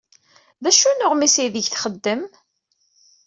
D acu n uɣmis aydeg txeddem?